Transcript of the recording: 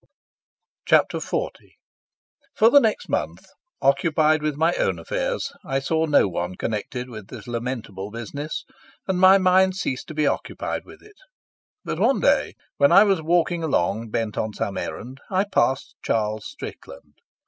Chapter XL For the next month, occupied with my own affairs, I saw no one connected with this lamentable business, and my mind ceased to be occupied with it. But one day, when I was walking along, bent on some errand, I passed Charles Strickland.